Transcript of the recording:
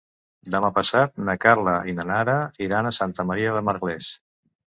Demà passat na Carla i na Nara iran a Santa Maria de Merlès.